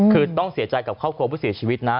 คือต้องเสียใจกับครอบครัวผู้เสียชีวิตนะ